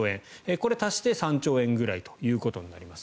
これ、足して３兆円くらいということになります。